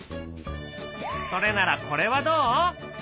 それならこれはどう？